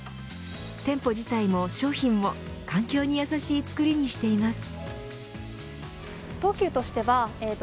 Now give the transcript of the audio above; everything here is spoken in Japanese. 店舗自体も商品も環境に優しい作りにしています。